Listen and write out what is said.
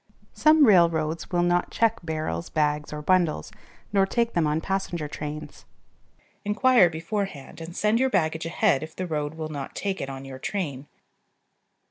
Some railroads will not check barrels, bags, or bundles, nor take them on passenger trains. Inquire beforehand, and send your baggage ahead if the road will not take it on your train.